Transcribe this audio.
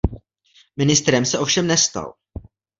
Ministrem se ovšem nestal.